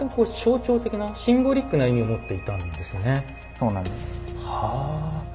そうなんです。